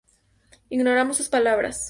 Ignoramos sus palabras.